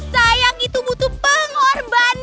sayang itu butuh pengorbanan